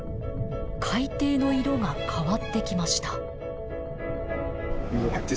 海底の色が変わってきました。